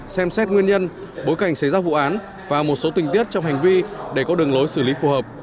xem xét nguyên nhân bối cảnh xảy ra vụ án và một số tình tiết trong hành vi để có đường lối xử lý phù hợp